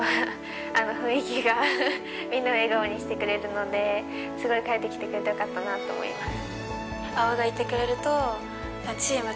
のですごい帰ってきてくれてよかったなと思います。